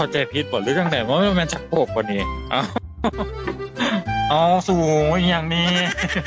ชักโผล่พอเลยเนี่ยเอาสูงอย่างนี้